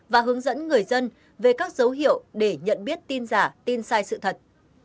và hướng dẫn người dân về các dấu hiệu để nhận biết tin giả tin sai sự thật